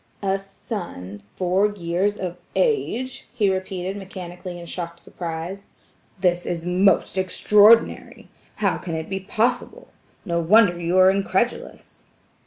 "A son four years of age!" he repeated mechanically in shocked surprise. "This is most extraordinary! How can it be possible?" No wonder you are incredulous.